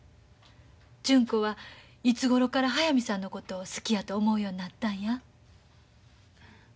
純子はいつごろから速水さんのことを好きやと思うようになったんや？